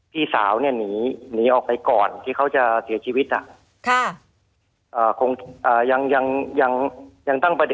พี่สาวเนี่ยหนีออกไปก่อนที่เขาจะเสียชีวิต